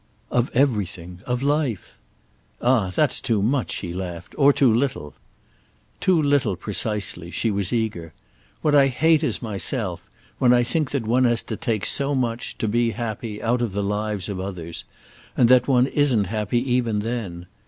"Of everything—of life." "Ah that's too much," he laughed—"or too little!" "Too little, precisely"—she was eager. "What I hate is myself—when I think that one has to take so much, to be happy, out of the lives of others, and that one isn't happy even then.